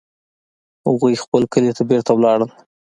هغوی خپل کلي ته بیرته ولاړل